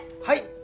はい。